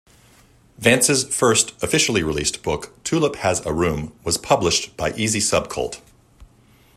Vance's first officially released book "Tulip Has a Room" was published by Easysubcult.